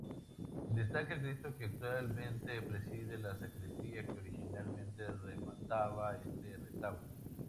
Destaca el Cristo que actualmente preside la sacristía, que originalmente remataba este retablo.